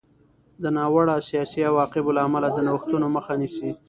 د ناوړه سیاسي عواقبو له امله د نوښتونو مخه نیسي.